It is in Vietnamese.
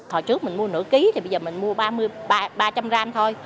hồi trước mình mua nửa ký thì bây giờ mình mua ba trăm linh gram thôi